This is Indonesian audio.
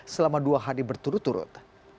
selama dua hari berturut turut